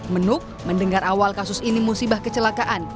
menu mendengar awal kasus ini musibah kecelakaan